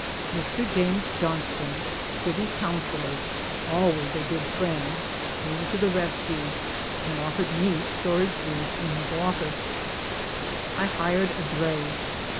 Mr. James Johnston, City Coun cillor, always a good friend, came to the rescue and offered me storage room in his office. I hired a dray.